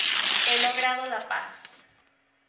He logrado la paz.